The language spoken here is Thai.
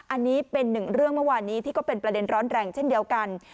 อันนี้เป็นหนึ่งเรื่องเมื่อวานนี้ที่ก็เป็นประเด็นร้อนแรงเช่นเดียวกัน